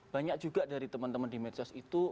banyak juga dari teman teman di medsos itu